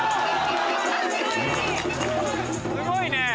すごいね。